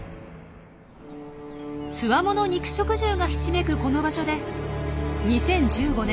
ツワモノ肉食獣がひしめくこの場所で２０１５年